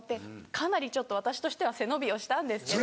かなりちょっと私としては背伸びをしたんですけど。